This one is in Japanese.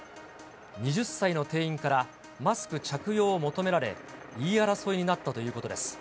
２０歳の店員からマスク着用を求められ、言い争いになったということです。